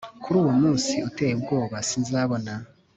Kuri uwo munsi uteye ubwoba sinzabona